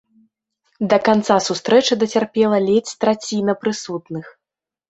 Да канца сустрэчы дацярпела ледзь траціна прысутных.